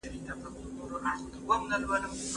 دا روايت موضوعي او له ځانه جوړ شوی دی